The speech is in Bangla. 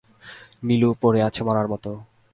নীলু পড়ে আছে মড়ার মতো।